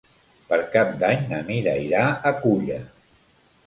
Per Cap d'Any na Mira irà a Culla.